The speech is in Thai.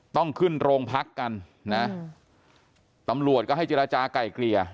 ต้องขึ้นโรงพักกันนะตำรวจก็ให้เจรจาก่ายเกลี่ย